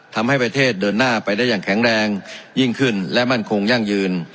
ทำให้ประเทศเดินหน้าไปได้อย่างแข็งแรงยิ่งขึ้นและมั่นคงยั่งยืน